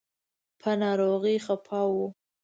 په ناروغ به خفه و.